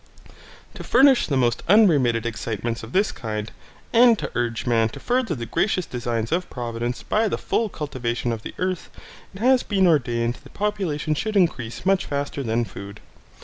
To furnish the most unremitted excitements of this kind, and to urge man to further the gracious designs of Providence by the full cultivation of the earth, it has been ordained that population should increase much faster than food.